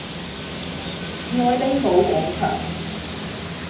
愛丁堡廣場